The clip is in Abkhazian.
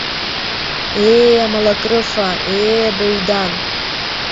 Ее, амалакрыфа, ее, абаҩдан!